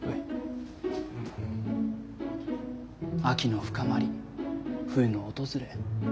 秋の深まり冬の訪れ。